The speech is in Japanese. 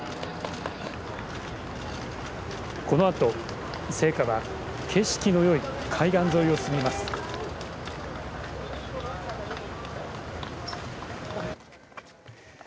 このあと聖火は景色のよい海岸沿いを進みます。